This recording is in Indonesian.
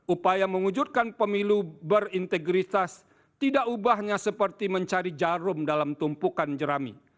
upaya mewujudkan pemilu berintegritas tidak ubahnya seperti mencari jarum dalam tumpukan jerami